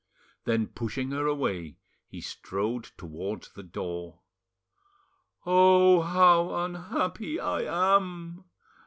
Then pushing her away, he strode towards the door. "Oh! how unhappy I am!"